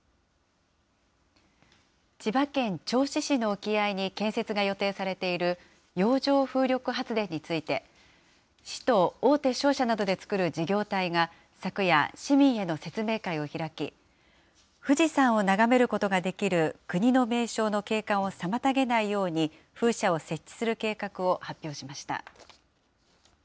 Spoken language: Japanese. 千葉県銚子市の沖合に建設が予定されている洋上風力発電について、市と大手商社などで作る事業体が昨夜、市民への説明会を開き、富士山を眺めることができる国の名勝の景観を妨げないように風車を設置する計画を発表しました。